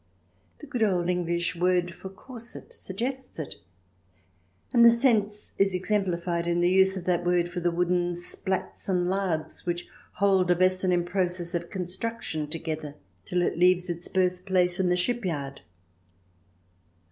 The good old English word for corset suggests it, and the sense is exemplified in the use of that word for the wooden splats and laths which hold a vessel in process of construction together till it leaves its birthplace in the shipyard.